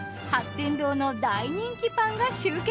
天堂の大人気パンが集結。